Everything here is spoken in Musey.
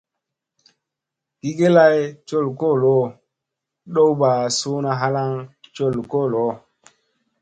Gi ge lay col koolo, ɗowba suuna halaŋ col koolo.